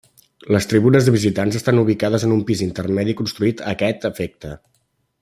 Les tribunes de visitants estan ubicades en un pis intermedi construït a aquest efecte.